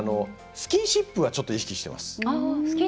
スキンシップはちょっと意識しています。